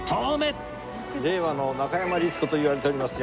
令和の中山律子といわれております